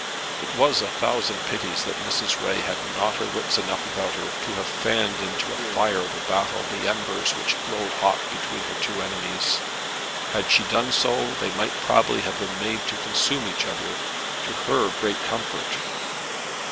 It was a thousand pities that Mrs. Ray had not her wits enough about her to have fanned into a fire of battle the embers which glowed hot between her two enemies. Had she done so they might probably have been made to consume each other, to her great comfort.